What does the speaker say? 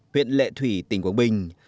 huyện lệ thủy tỉnh quảng bình